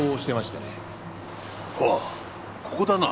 ああここだな。